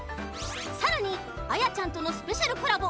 さらにあやちゃんとのスペシャルコラボ